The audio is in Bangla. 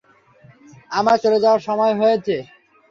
আমাদের চলে যাওয়া সময়ে হয়েছে।